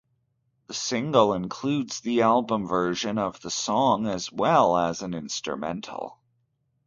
The single includes the album version of the song as well as an instrumental.